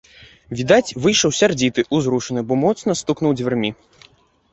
Відаць, выйшаў сярдзіты, узрушаны, бо моцна стукнуў дзвярмі.